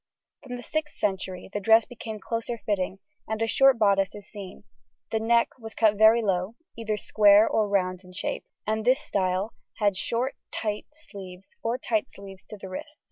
[Illustration: FIG. 1.] From the 6th century the dress became closer fitting, and a short bodice is seen; the neck was cut very low, either square or round in shape, and this style had short tight sleeves or tight sleeves to the wrist.